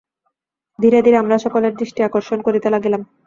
ধীরে ধীরে আমরা সকলের দৃষ্টি আকর্ষণ করিতে লাগিলাম।